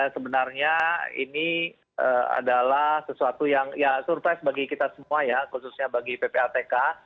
sebenarnya ini adalah sesuatu yang ya surprise bagi kita semua ya khususnya bagi ppatk